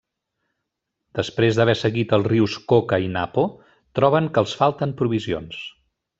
Després d'haver seguit els rius Coca i Napo, troben que els falten provisions.